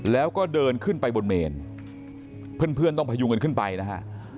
แล้วก็เดินขึ้นไปบนเมนเพื่อนต้องพยุงกันขึ้นไปนะฮะ